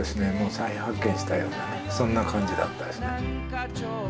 再発見したようなそんな感じだったですね。